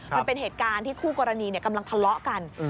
มันเป็นเหตุการณ์ที่คู่กรณีกำลังทะเลาะกัน